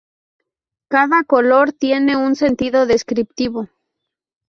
Cada color tiene un sentido descriptivo.